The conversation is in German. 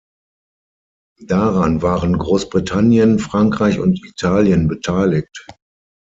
Daran waren Großbritannien, Frankreich und Italien beteiligt.